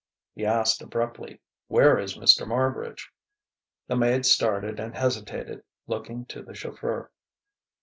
He asked abruptly: "Where is Mr. Marbridge?" The maid started and hesitated, looking to the chauffeur.